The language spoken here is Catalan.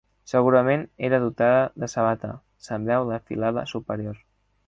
Segurament era dotada de sabata; se'n veu la filada superior.